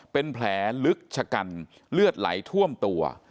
เป็นแผลลึกชะกันเลือดไหลท่วมตัว